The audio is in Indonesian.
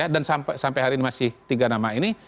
dan sampai hari ini masih tiga nama ini